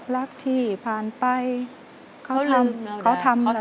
รักที่ผ่านไปเขาทำเราได้